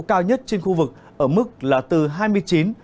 cao nhất trên khu vực ở mức là từ hai mươi chín ba mươi độ